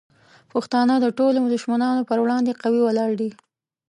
پښتانه د ټولو دشمنانو پر وړاندې قوي ولاړ دي.